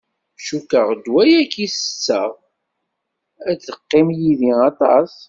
Cukkeɣ ddwa-yagi i sesseɣ ad teqqim yid-i aṭas.